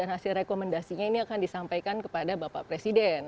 nah ini komendasinya ini akan disampaikan kepada bapak presiden